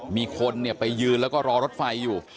มีคนไปยืนแล้วก็รอรถไฟอยู่